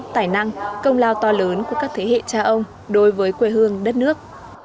tài năng công lao to lớn của các thế hệ cha ông đối với quê hương đất nước